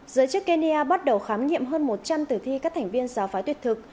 giới chức kenya bắt đầu khám nghiệm hơn một trăm linh tử thi các thành viên giáo phái tuyệt thực